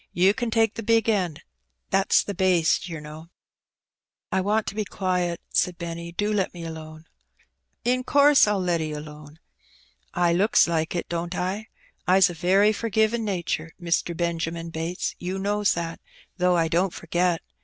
You ken take the big end^ that^s the bass^ yer know/^ '' I want to be quiet/' said Benny ;" do let me alone/' '^In course FU let 'e alone. I looks like it, don't I? I's a very forgivin' natur'. Mister Benjamin Bates^ you knows that, though I don't forget.